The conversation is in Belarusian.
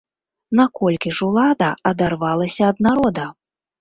Наколькі ж улада адарвалася ад народа!